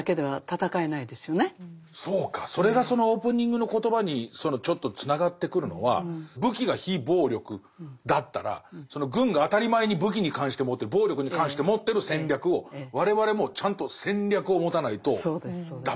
それがそのオープニングの言葉にちょっとつながってくるのは「武器」が非暴力だったらその軍が当たり前に武器に関して持ってる暴力に関して持ってる戦略を我々もちゃんと戦略を持たないと駄目だっていうこと。